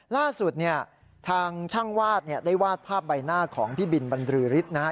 ล่าสุดเนี่ยทางช่างวาดเนี่ยได้วาดภาพใบหน้าของพี่บินบรรลือฤทธิ์นะฮะ